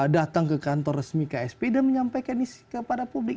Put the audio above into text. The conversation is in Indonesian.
datang ke kantor resmi ksp dan menyampaikan ini kepada publik